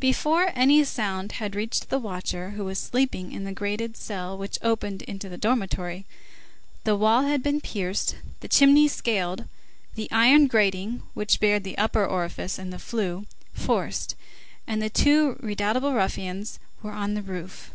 Before any sound had reached the watcher, who was sleeping in the grated cell which opened into the dormitory, the wall had been pierced, the chimney scaled, the iron grating which barred the upper orifice of the flue forced, and the two redoubtable ruffians were on the roof.